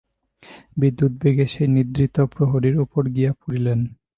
বিদ্যুদ্বেগে সেই নিদ্রিত প্রহরীর উপর গিয়া পড়িলেন।